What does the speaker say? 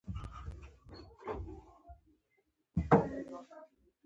ځغاسته د وجود انعطاف زیاتوي